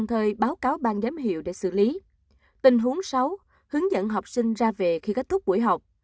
tình huống sáu hướng dẫn học sinh ra về khi kết thúc buổi học